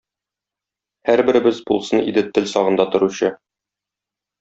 Һәрберебез булсын иде тел сагында торучы.